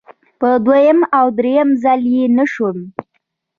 په دویم او دریم ځل چې نشوه.